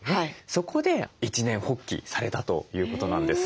そこで一念発起されたということなんです。